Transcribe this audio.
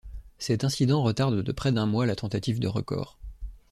Cet incident retarde de près d'un mois la tentative de record.